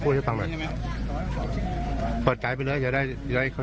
พูดช่วยต่อหน่อยเปิดจ่ายไปเลยเดี๋ยวได้เดี๋ยวให้เขา